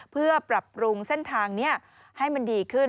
เพื่อปรับปรุงเส้นทางนี้ให้มันดีขึ้น